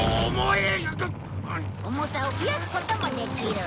重さを増やすこともできる。